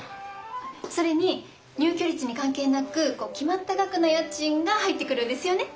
それに入居率に関係なく決まった額の家賃が入ってくるんですよね？